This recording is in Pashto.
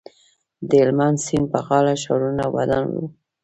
د هلمند سیند په غاړه ښارونه ودان وو